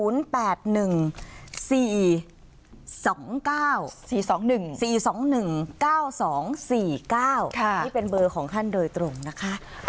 นี่เป็นเบอร์ของท่านโดยตรงนะคะ